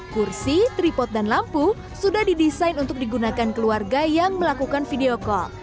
kursi tripot dan lampu sudah didesain untuk digunakan keluarga yang melakukan video call